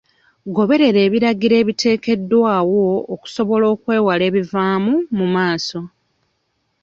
Goberera ebiragiro ebiteekeddwawo okusobola okwewala ebivaamu mu maaso.